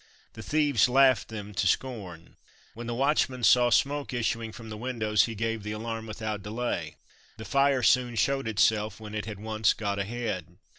The thieves laughed them to scorn. When the watchman saw smoke issuing from the windows he gave the alarm without delay. The fire soon showed itself, when it had once got ahead.